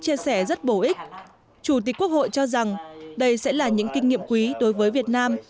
chia sẻ rất bổ ích chủ tịch quốc hội cho rằng đây sẽ là những kinh nghiệm quý đối với việt nam